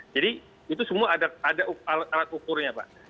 jadi itu semua ada alat ukurnya pak